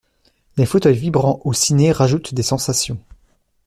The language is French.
Les fauteuils vibrants au ciné rajoutent des sensations.